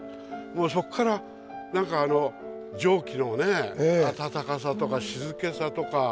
もうそこから何かあの蒸気の温かさとか静けさとか。